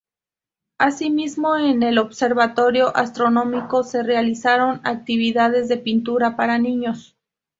Asimismo en el Observatorio Astronómico se realizaron actividades de pintura para niños.